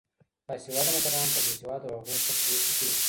باسواده مشران تر بې سواده هغو ښه پرېکړې کوي.